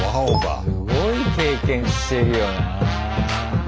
すごい経験してるよな。